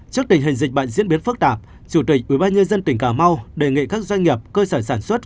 trước tình hình dịch bệnh diễn biến phức tạp chủ tịch ubnd tỉnh cà mau đề nghị các doanh nghiệp cơ sở sản xuất